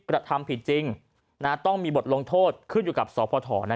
กระทำผิดจริงต้องมีบทลงโทษขึ้นอยู่กับสพ